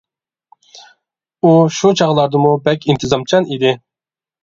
ئۇ شۇ چاغلاردىمۇ بەك ئىنتىزامچان ئىدى.